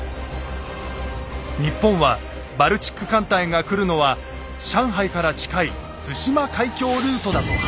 日本はバルチック艦隊が来るのは上海から近い対馬海峡ルートだと判断。